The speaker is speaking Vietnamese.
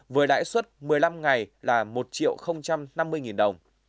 với đải xuất một mươi năm ngày là một triệu năm mươi đồng